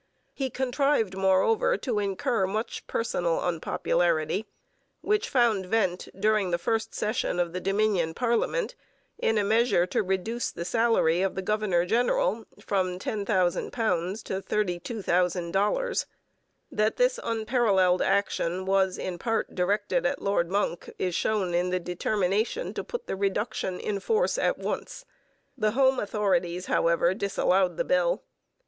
He contrived, moreover, to incur much personal unpopularity, which found vent, during the first session of the Dominion parliament, in a measure to reduce the salary of the governor general from £10,000 to $32,000. That this unparalleled action was, in part, directed at Lord Monck is shown in the determination to put the reduction in force at once. The home authorities, however, disallowed the bill.